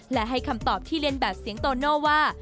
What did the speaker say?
และให้คำตอบที่เรียนแบบเสียงโตโน่ว่า